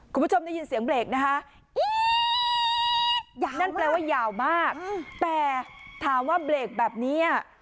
คุณผู้ชมได้ยินเสียงเบรกนะคะอี๊ดยาวนั่นแปลว่ายาวมากแต่ถามว่าเบรกแบบนี้อ่ะ